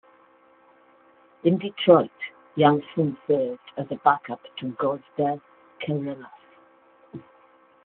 In Detroit, Jansen served as a backup to Gosder Cherilus.